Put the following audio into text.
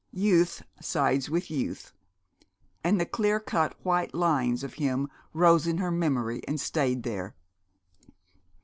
Youth sides with youth. And the clear cut white lines of him rose in her memory and stayed there.